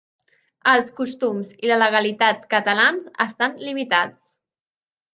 Els costums i la legalitat catalans estan limitats.